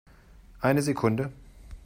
Eine Sekunde!